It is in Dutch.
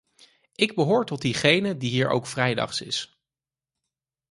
Ik behoor tot diegenen die hier ook vrijdags is.